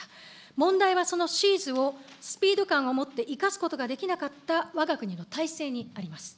問題はそのシーズをスピード感を持って生かすことができなかったわが国の体制にあります。